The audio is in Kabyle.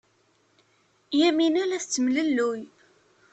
Yamina la tettemlelluy.